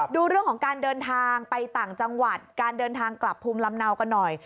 ดูเรื่องของการเดินทางไปต่างจังหวัดการเดินทางกลับภูมิลำเนากันหน่อย